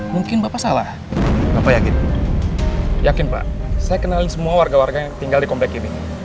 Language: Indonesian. yakin pak saya kenalin semua warga warga yang tinggal di komplek ini